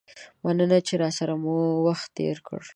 مننه چې راسره مو وخت تیر کړ.